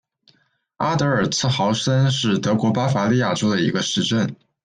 阿德尔茨豪森是德国巴伐利亚州的一个市镇。